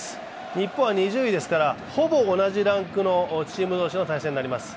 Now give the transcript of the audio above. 日本は２０位ですからほぼ同じランクのチーム同士の対戦になります。